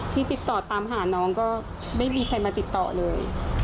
ที่ติดต่อตามหาน้องก็ไม่มีใครมาติดต่อเลย